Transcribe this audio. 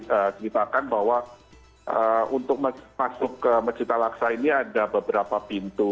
saya ceritakan bahwa untuk masuk ke masjid al aqsa ini ada beberapa pintu